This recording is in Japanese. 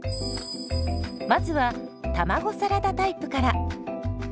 まずは卵サラダタイプから。